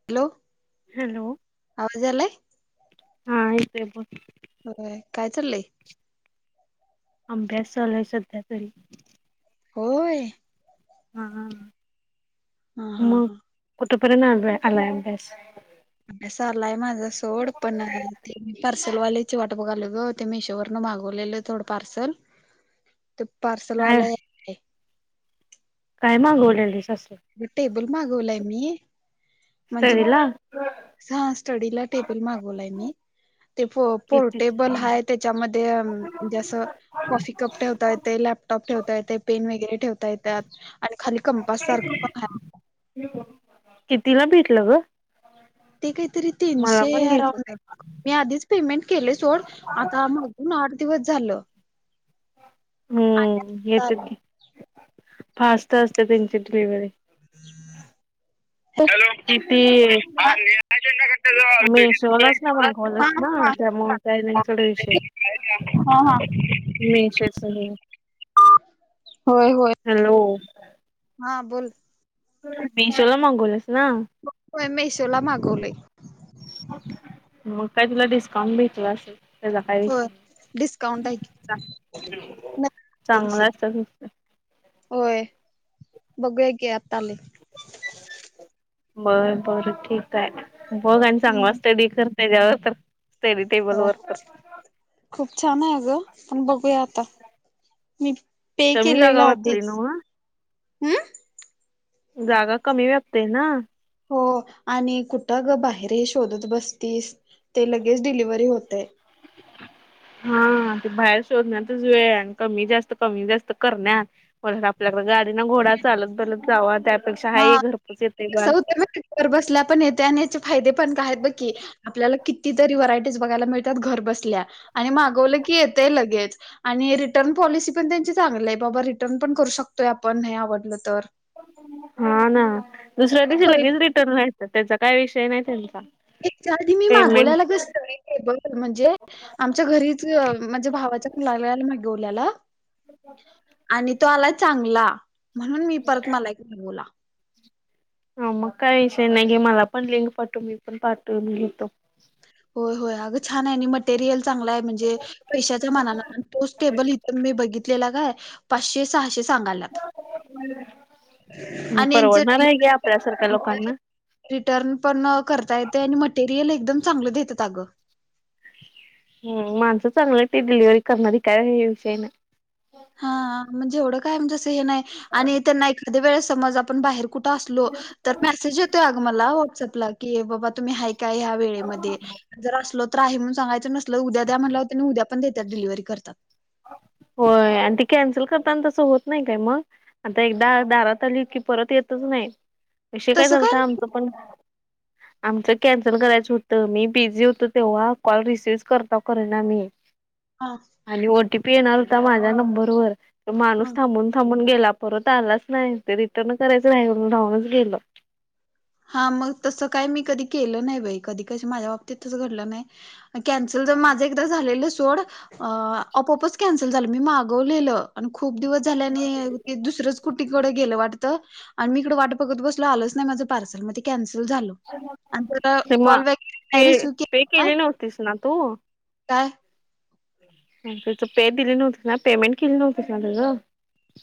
Hello. Hello आवाज यालाय हा हाेत बोल. काय चाललय. अंभ्यास चालय सध्या तरी. होय. हा हा हा, हा हा हा, कुठपर्यंत अँड्रॉइ आलय अभ्यास. अभ्यास आलाय माझा सोड पण ते मी पार्सलवाल्याची वाट बघालोय ग ते मीशो वरन मागवलेलं. थोडं पार्सल. [inaudible] ते पार्सल काय वाला य ''--'' काय मागवाल्यालीस असल. बी टेबल मागवलाय मी स्टडीला हां स्टडीला टेबल मागवलाय मी ते फो किती पोर्टेबल हाय त्याच्यामध्ये मंजे असं कॉफी कप ठेवता येतय लॅपटॉप ठेवता येतय पेन वगैरे ठेवता येत्यात आणि खाली कंपास सार कितीला भेटलं ग ते काहीतरी मला तीनशे पण घ्यायचं तर अराऊंड मी आधीच पेमेंट केलय सोड आता मग न आठ दिवस झालं. आणि हम्म आता येतेत आले. की फास्ट असत त्यांची डिलिव्हरी [unintelligible] किती आम्ही मेशोलाच ना मागवलंच ना त्यामुळे काय नाही सोड विषय [unintelligible] [unintelligible] हा हा मेशोच [unintelligible] होय होय. हॅलो हा बोल मेशोला मागवलस ना होय मेशोला मागवलय. मग काय तुला डिस्काउंट भेटल असल. त्याजा काय होय विषय डिस्काउंट नाय आहे की जा त्याशी चांगल असतात [unintelligible] होय बघूया की आता आलंय. बर बरं ठीक हाय बघ आणि चांगलं हम्म स्टडी कर त्याज्यावर तर स्टडी टेबल हो वर तर खूप छान हाय गं पण बघूया आता मी पे कमी जागा केलेला व्यापते आधीच नव्ह हं जागा कमी व्यापतय ना हो आणि कुठं ग बाहेरही शोधत बसतीस ते लगेच डिलिव्हरी होतय. हा ते बाहेर शोधण्यातच वेळ आणि कमी जास्त कमी जास्त करण्या परत आपल्याकड गाडी ना घोडा चालत बॅलत जावा त्यापेक्षा हा हे घरपोच येतय कसं बास होतंय माहिती घर बसल्या पण येतय आणि याचे फायदे पण काय आहेत बघ की, आपल्याला कितीतरी व्हरायटीज बघायला मिळतात घर बसल्या आणि मागवलं की येतय लगेच आणि रिटर्न पॉलिसी पण त्यांची चांगली हाय बाबा रिटर्न पण करू शकतोय आपण न्हाय आवडलं तर हा ना दुसऱ्या आणि दिवशी क्वालिटी लगेच रिटर्न व्हायचं त्याचा काय विषय नाय त्यांचा एकच्या आधी मी पेमेंट मागवल्याला ग [unintelligible] ते बरं म्हणजे आमच्या घरीच अ म्हणजे भावाच्यापण लागल्या मागवल्याला आणि तो आलाय चांगला म्हणून मी परत मला एक मागवला. हा मग काय विषय नाय गे मला पण लिंग पाटव मी पण पाठवून घेतो. होय होय अगं छान हाय आणि मटेरियल चांगलाय. म्हणजे पैश्याच्या मानानं अनं तोच टेबल इथ मी बघित तलेला काय पाचशे सहाशे सांगाल्यात. म आणि यांच परवडणार हाय घे आपल्यासारख्या डिलिव्हरी लोकांना रिटर्न पण करता येतेय आणि मटेरियल एकदम चांगलं देत्यात अगं हो माणसं चांगलं येत ते डिलिव्हरी करणारी काय हे विषयी नाय. हा म्हणजे एवढं काय म्हणजे असं हे नाय आणि त्यांना एखाद्या वेळेस समज आपण बाहेर कुठ असलो तर मेसेज येतोय अग मला व्हाट्सअपला की बाबा तुम्ही हाय काय ह्या वे वेळेमध्ये. जर असलो तर आहे म्हणून सांगायचं, नसल उद्या द्या म्हणल्यावर टेनी उद्या पण देतात डिलिव्हरी करत्यात. होय आणि ते कॅन्सल करताना तसं होत नाही काय मग? आता एकदा दारात आली की परत येतच नाही. विषय काय तसं झालता नाही आमचं पण आमचं कॅन्सल करायचं होतं, मी बिझी होतो तेव्हा कॉल रिसिवच करता करना मी. [inaudible] हा. आणि ओ टी पी येणार होता माझ्या नंबरवर हा माणूस थांबून थांबून गेला. परत आलाच नाही. ते रिटर्न करायचं राहून-राहूनच गेलं. हा मग तस काही मी कधी केलं नाही बाई कधी कस माझ्या बाबतीतच घडलं नाही. कॅन्सल झालं. माझं एकदा झालेलं सोड अ आपआपच कॅन्सल झालं मी मागवलेलं. आणि खूप दिवस झाल्याने ते दुसरंच कुनिकडे गेलं वाटत आणि म इकडे वाटं बघत बसलं आलंच नाही माझं पार्सल कॅन्सल झालं आणि तेन ते म कॉल बँक पे [unintelligible] रिसीव्ह पे केला. केली नव्हतीस ना तू? काय? [unintelligible] दिले नव्हती ना पेमेंट केली नव्हती ना तुझं?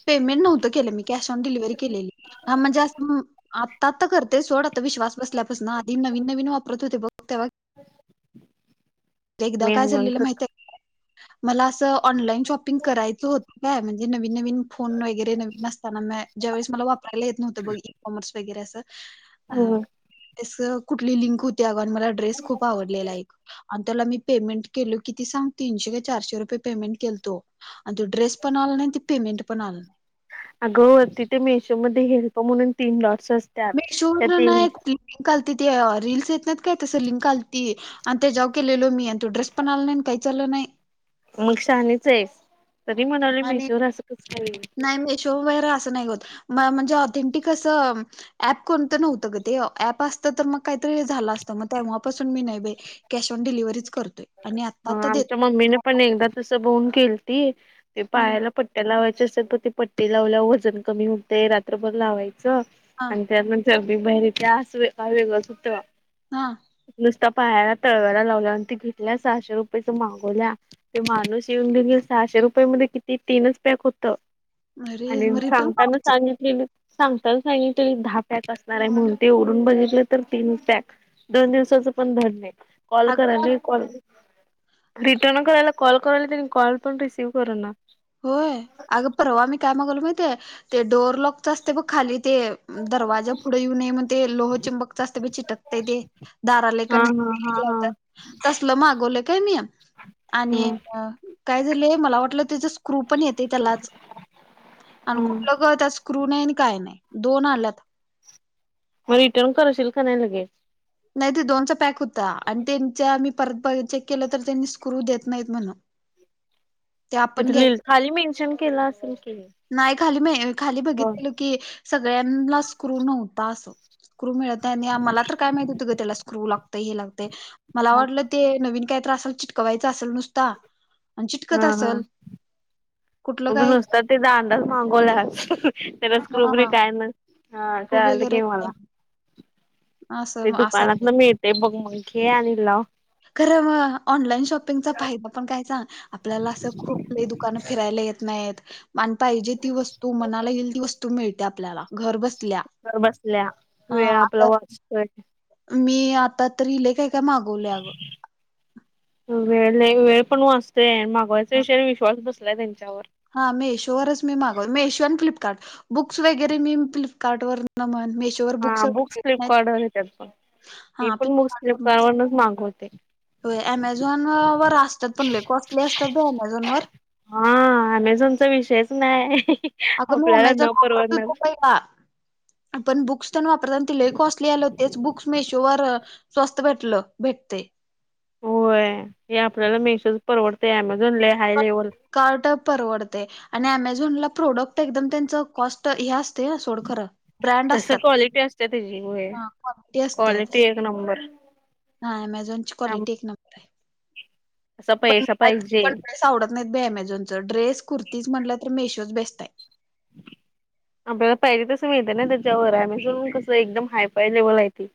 पेमेंट नव्हतं केलं मी कॅश ऑन डिलिव्हरी केलेली. हा म्हणजे अस आत्ता आत्ता करते सोड आत्ता विश्वास बसल्यापासन आधी नवीन नवीन वापरत होते बघ तेव्हा ते एकदा मी काय झालेलं नंतर माहित आहे? मला असं ऑनलाईन शॉपिंग करायचं होतं काय, म्हणजे नवीन नवीन फोन वगैरे नवीन ज्या वेळेस मला वापरायला येत नव्हतं बघ, इ-कॉमर्स वगैरे असं अ [unintelligible] कुठली लिंक होती अगं आणि मला ड्रेस खूप आवडलेला आणि त्याला मी पेमेंट केल किती सांग, तीनशे काय चारशे रुपये पेमेंट केलतो आणि तो ड्रेस पण आला नाही ते पेमेंट पण आला नाही. अग तिथ मीशोमध्ये हेल्प म्हणून तीन डॉट्स असत मीशो वरण नाही लिंक आलती ते रीलस येत नाहीत काय तसं लिंक आलती. अनं तेच्यावर केलेलो मी आणि तो ड्रेस पण आला नाही आणि काहीच आलं नाही. मग शानीच आहे, तरी म्हणालोय आणि मेशवर असं कस काय हे. नाही मेशो वगैरे असं नाही होत, म्हणजे ऑथेंटिक असं ॲप कोणतं नव्हतं ग ते. अँप असतं तर मग काहीतरी झालं असतं. मग तेव्हापासून मी नाही बाई. कॅश ऑन डिलिव्हरी च करतोय. आणि आता हा आता देत आमच्या मम्मीने पण एकदा तस बघून केली ते पायाला पट्ट्या लावायच्या असतात बग ते पट्टी लावल्या वर वजन कमी होतय रात्र भर लावायचं. हा आणि त्यानंतर अगदी बाहेर ते काय अस वेगळंच होत हा नुसता पायाला तळव्याला लावल्या आणि ते घेतल्या सहाशे रुपयेच मागवल्या ते माणूस येऊन कणी सहाशे रुपयाे मध्ये किती तीनच पॅक होतं. अरे आणि मग रिटर्न सांगताना करायचं सांगितलं त्यांनी सांगताना सांगितलेलं दहा पॅक असणार आहे म्हणून. ते उघडून बघितलं तर तीन पॅक दोन दिवसाच पण धड नाही. कॉल अगं करायला कॉल रिटर्न करायला कॉल करायला त्यांनी कॉल पण रिसीव करना. होय. अगं परवा आम्ही काय मागवलो माहित आहे? ते डोअर लॉक तर असते बघ खाली ते दरवाजा पुढे येऊ नये मग ते लोह चिंबकच असते बीजी ते चीटकतय ते. हा दारालेकन हा हा हा [unintelligible] तसलं मागवलं काय मी आणि ह काय झाले मला वाटलं त स्क्रू पण येते त्यालाच. ह आणि कुठलं ग त्याला स्क्रू नाही आणि काय नाही. दोन आल्यात. माला ईटर्न करशील का नाही लगे. नाही ते दोनचा पॅक होता, आणि त्यांच्या मी परत चेक केलं तर त्यांनी स्क्रू देत नाहीत म्हण ते आपण तिथ लि घ्यायच खाली मेन्शन केलं असेल की. नाही खाली मी खाली हो बघितल की सगळ्यांला स्क्रू नव्हता असं स्क्रू मिळतय आणि मला तर काय माहती होतं ग त्याला स्क्रू लागतय हे लागतय मला मग वाटलं ते नवीन काय तर असल चिटकवायचं असल नुसता कत असल अग नुसता ते दांडाच मागवलाय, त्याला स्क्रु ब्रि हा काय नसं हा खूप चाल वगैरे घे काय. माला ते असं असं दुकानात आलं. न मिळते बघ म घे आणि लाव. खरं मऑनलाईन शॉपिंगचा फायदा पण काय चांग आपल्याला असं खुप काही दुकानं फिरायला येत नाहीत. आन पाहिजे ती वस्तू, मनाला येईल ती वस्तू, मिळते आपल्याला घर बस घर बसल्या वेळ आपला वाचतोय. मी आता तरी लयी काय, काय मागवल आगं. अ वेळ लयी वेळ पण वाचतोयां मागवायच विषयावर विश्वास बस ला त्यांच्यावर हा मेशोवरच मी मागवल मेशो आण फ्लिपकार्ट बुक्स वगैरे मी फ्लिपकार्टवरन मन मेश तोवर हा बुक्सच बुक्स घेत नाहीत फ्लिपकार्ट वर येतात हा फ्लिपकार्ट वरणच नच मागवते. होय ॲमेझॉन वर असतात पण लयी कॉस्ली असतात भाऊ ॲमेझॉन वर. हा ॲमेझॉन विषयच नाही. अगं मी आपल्याला अमेझॉन न परवडणार. वापरत [unintelligible] पण बुक्स तण वापरन ति लयी कॉस्ली आल होत तेंच बुक्स मेशोवर स्वस्त भेटलं भेटतय. होय हे आपल्याला मेशोज परवडतय ॲमेझॉन लयी हाय लेवल कार्ट परवडतय आणि अमेझॉन ला प्रोडक्ट त एकदम त्यांच कॉस त हे असते ना सोडखरं ब्रँड तस असतात क्वालिटी असते त्याची होय हा कॉलिटी असतेय क्वालिटी तशी. एक नंबर हा अमेझॉनची क्वालिट एक न असा पैसा पाहिजे. पण ड्रेस आवडत नाहीत बाई अमेझॉन चं ड्रेस, कुर्तीज म्हनलं तर मेशोच बेस्ट आहे. आपल्याला पाहिजे तस मिळते ना त्याच्यावर अमेझॉन हुन कसं एकदम हाय फाय लेवलला येती.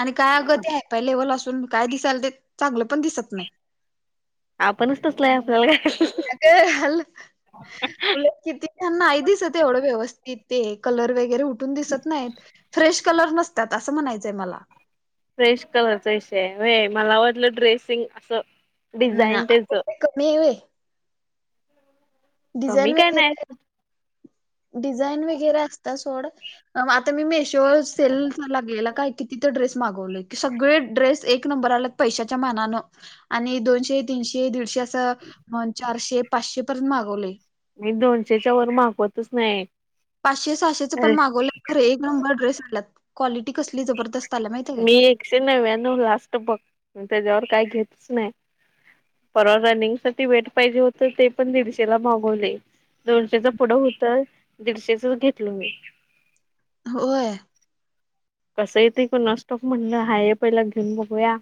आणि काय अगं ते फाय लेवल असून काय दिसायल ते चांगलं पण दिसत नाही. आपणच तसलाय आपल्याला काय अग हल बोलें कितीना नाही दिसत ते एवढं व्यवस्थित ते कलर वगैरे उठ ठुन दिसत नाहीत, फ्रेश कलर नसतात असं म्हणायचंय मला फ्रेश कलरचा ईषय व्हय मला वाटलं ड्रेसिंग असं ना डिझाईन त्याच आपन काय कमी आहे व्हय. कमी डिझाईन काय वगैरे, नाही डिझाईन वगैरे असता सोडा आता मी मेशो वर सेल लागलेला काय किती तर ड्रेस मागवले. सगळे ड्रेस एक नंबर आलत पैशाच्या मानान आणि दोनशे, तीनशे, दीडशे असं च अन चारशे, पाचशे पर्यंत मागवले. मी दोनशेच्या वर मागवतच नाही. पाचशे सहाशेच पण अरे मागवल खर एक नंबर ड्रेस आलात. क्वालिटी कसली जबरदस्त आल्या माहितीय काय मी एकशे नव्यानव लास्ट बघ त्याच्यावर काय घेतच नाही. परवा रनिंग साठी वेट पाहिजे होत ते पण दिडशेला मागवले. दोनशेच पुढ होत, दीडशेचच घेतल मी. होय कस येतय कोणास ठाऊक. म्हणल हाय पहिला घेऊन बघूया.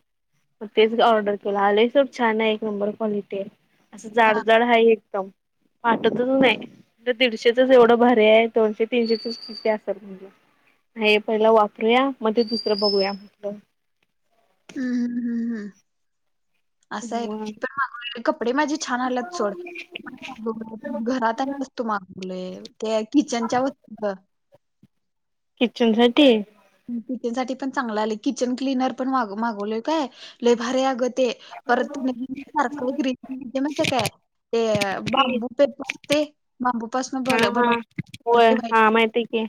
तेच ऑर्डर केल. आलय सोड छान आहे. एक नंबर क्वालिटी आहे. अस हा जाडजाड आहे एकदम. वाटतच नाही दीडशेचच एवढ भारी आहे दोनशे तीनशेचच किती आसल. हे पहिल वापरूया मग ते दुसर बघूया म्हटल. हम्म हम्म हम्म हम्म अस आहे. मग मी पण मागवलेले कपडे माझे छान आलेत सोड. घरात वस्तू मागवलीय ते किचनच्या वस्तू किचनसाठी किचन साठी पण चांगल आल. किचन क्लिनर पण मा मागवलेय काय. लय भारी आहे अग ते. [unintelligible] ते बांबूचे पत्ते बांबूपासून बनवतात. व्हय ते व्हाईट हा माहिती आहे की.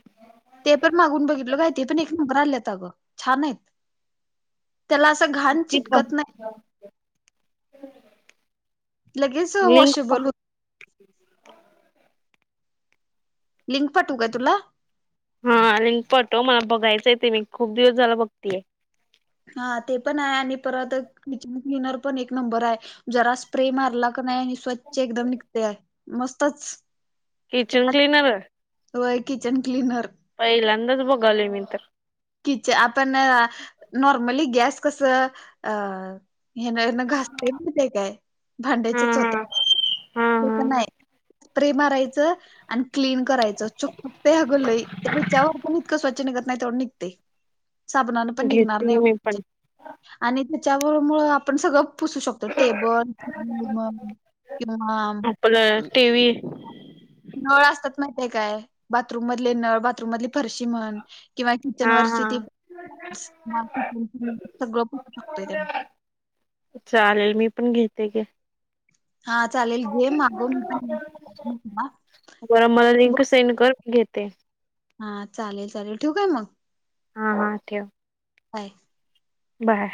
ते पण मागून बघितल काय ते पण एक नंबर आल्यात अग. छान आहेत. त्याला अस घाण ती चिटकत नाही. [inaudible] लगेच लिंक वॉशेबल होत. लिंक पाठवू का तुला? हा लिंक पाठव. मला बघायच ते मी खूप दिवस झाल बघतीय. हा ते पण आहे. आणि परत किचन क्लिनर पण एक नंबर आहे. जरा स्प्रे मारला की नाही आणि स्वच्छ एकदम निघते. मस्तच किचन क्लीनर व्हय किचन क्लिनर. पहिल्यांदाच बघालोय मी तर. किचन आपण नॉर्मली गॅस कस अ ह्यान ह्यान घासतो कि नाही हा भांड्याच्या हा हा चोत्यान तस हा नाही. स्प्रे मारायच आणि क्लीन करायच चकाकत अग लयी. ह्याच्यावर पण इतक स्वच्छ निघत नाही तेवढ निघत. ते साबणान पण निघणार नाही घेतली मी एवढ पण च आणि त्याच्यामुळ आपण सगळ पुसू शकतो. टेबल किंवा आपलं टीव्ही नळ असतात माहिते काय बाथरूम मधले नळ बाथरूम मधली फरशी म्हण किंवा किचन हा हा वरची ती सगळ पुसू शकतोय त्यान. चालेल मी पण घेते ग. हा चालेल घे मागवुन बर मला लिंक सेंड कर घेते. हा चालेल चालेल ठेऊ काय मग. हा हा ठेव. व्हय बाय